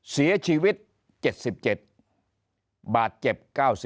เสียชีวิต๗๗บาดเจ็บ๙๐